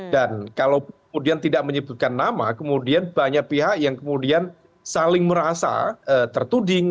dan kalau kemudian tidak menyebutkan nama kemudian banyak pihak yang kemudian saling merasa tertuding